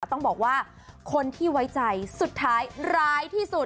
ต้องบอกว่าคนที่ไว้ใจสุดท้ายร้ายที่สุด